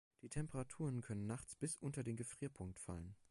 Die Temperaturen können nachts bis unter den Gefrierpunkt fallen.